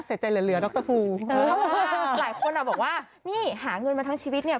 เสร็จใจเหลือดรภูหลายคนอ่ะบอกว่านี่หาเงินมาทั้งชีวิตเนี่ย